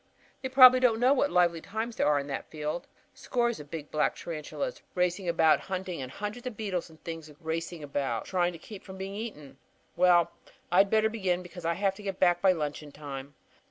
They probably don't know what lively times there are at nights in that field. Scores of big black tarantulas racing about, hunting, and hundreds of beetles and things racing about, trying to keep from being eaten. Well, I'd better begin, because we have to get back by luncheon time.